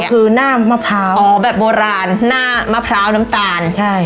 คือหน้ามะพร้าวอ๋อแบบโบราณหน้ามะพร้าวน้ำตาลใช่